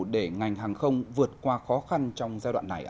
để ngành hàng không vượt qua khó khăn trong giai đoạn này ạ